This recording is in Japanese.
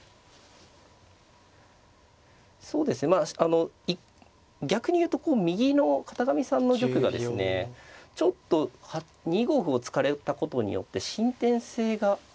そうですねまああの逆に言うと右の片上さんの玉がですねちょっと２五歩を突かれたことによって伸展性が。